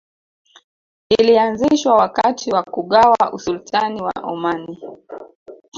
Ilianzishwa wakati wa kugawa Usultani wa Omani